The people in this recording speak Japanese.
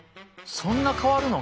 そんな変わるの？